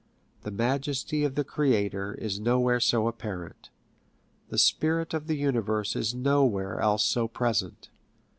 The majesty of the Creator is nowhere so apparent; the Spirit of the Universe is nowhere else so present.